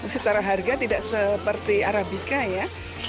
secara harga tidak seperti arabica ya